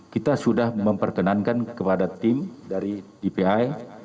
kita sudah memperkenankan kepada tim dari dpi